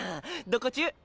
どこ中？